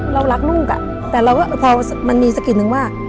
เรารักลูกแต่เราก็พอมันมีสะกิดนึงว่า